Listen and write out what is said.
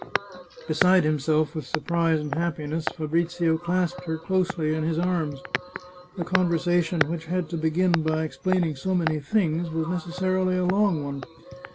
" Beside himself with surprise and happiness, Fabrizio clasped her closely in his arms. A conversation which had to begin by explaining so many things was necessarily a long one.